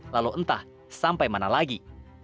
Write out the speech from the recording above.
lalu entah sampai mana lagi